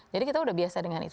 jadi kita sudah biasa dengan itu